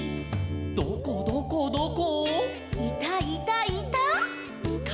「どこどこどこ？」